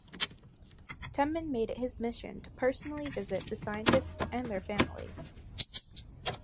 Temin made it his mission to personally visit the scientists and their families.